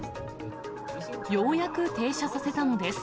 ようやく停車させたのです。